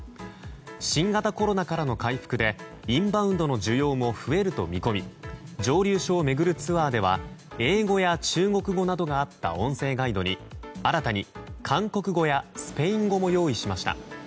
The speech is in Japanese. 新型コロナからの回復でインバウンドの需要も増えると見込み蒸留所を巡るツアーでは英語や中国語などがあった音声ガイドに新たに韓国語やスペイン語も用意しました。